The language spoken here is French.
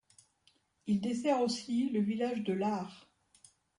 Il dessert aussi le village de Llar.